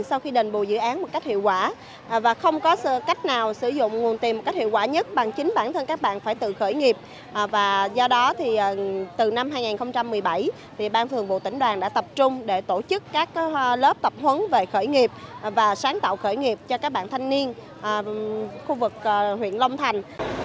sau khi đền bù dự án một cách hiệu quả và không có cách nào sử dụng nguồn tiền một cách hiệu quả nhất bằng chính bản thân các bạn phải tự khởi nghiệp và do đó thì từ năm hai nghìn một mươi bảy thì ban thường vụ tỉnh đoàn đã tập trung để tổ chức các lớp tập huấn về khởi nghiệp và sáng tạo khởi nghiệp cho các bạn thanh niên khu vực huyện long thành